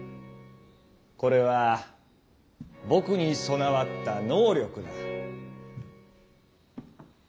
これは僕に備わった「能力」だ。